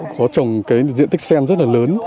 có trồng cái diện tích sen rất là lớn